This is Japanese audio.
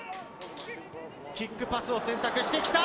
キックパスを選択してきた。